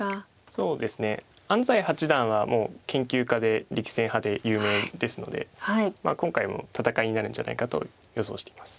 そうですね安斎八段はもう研究家で力戦派で有名ですので今回も戦いになるんじゃないかと予想しています。